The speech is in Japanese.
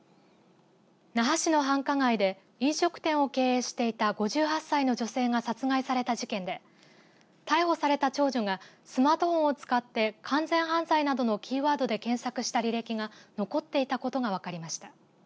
那覇市の繁華街で飲食店を経営していた５８歳の女性が殺害された事件で逮捕された長女がスマートフォンを使って完全犯罪などのキーワードで検索した履歴が残っていたことが分かりました。